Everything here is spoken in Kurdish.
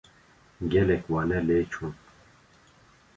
Gelek wane lê çûn.